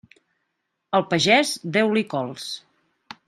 Al pagès, deu-li cols.